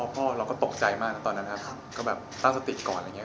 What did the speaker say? พ่อเราก็ตกใจมากนะตอนนั้นครับก็แบบตั้งสติก่อนอะไรอย่างนี้